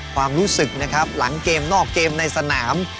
ความรู้สึกนะครับหลังเกมนอกเกมในสนาม